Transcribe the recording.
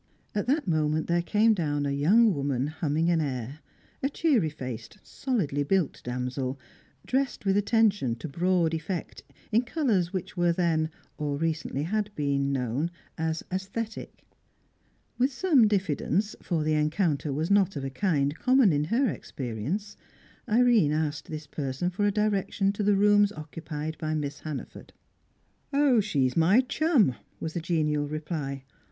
At that moment there came down a young woman humming an air; a cheery faced, solidly built damsel, dressed with attention to broad effect in colours which were then or recently had been known as "aesthetic." With some diffidence, for the encounter was not of a kind common in her experience, Irene asked this person for a direction to the rooms occupied by Miss Hannaford. "Oh, she's my chum," was the genial reply.